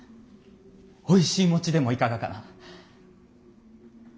おいしい餅でもいかがかな。